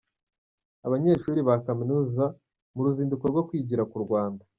Abanyeshuri ba Kaminuza mu ruzinduko rwo kwigira ku Rwanda